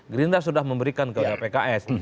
gerindra sudah memberikan kepada pks